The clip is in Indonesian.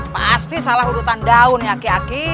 pasti salah urutan daun ya aki aki